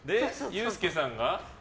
ユースケさんが？